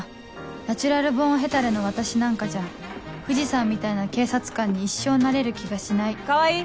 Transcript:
ナチュラルボーンヘタレの私なんかじゃ藤さんみたいな警察官に一生なれる気がしないって川合！